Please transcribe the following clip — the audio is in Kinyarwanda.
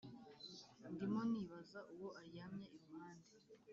ndimo nibaza uwo uryamye iruhande